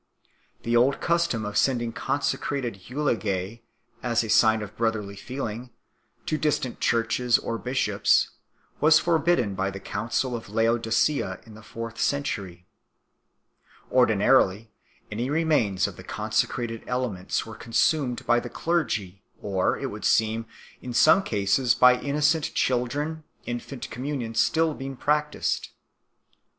The old custom of sending consecrated eulogise, as a sign of brotherly feel ing, to distant Churches or Bishops, was forbidden by the Council of Laodicea in the fourth century 6 . Ordinarily, any remains of the consecrated elements were consumed by the clergy, or, it would seem, in some cases by innocent children 7 , infant communion being still practised 8 .